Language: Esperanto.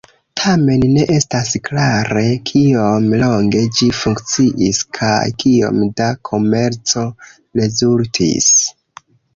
Tamen ne estas klare, kiom longe ĝi funkciis kaj kiom da komerco rezultis.